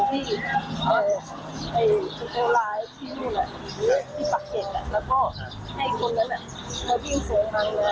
มีงานบิ้งไปเจ้าลายที่แถวฝังเหตุกับมันเลย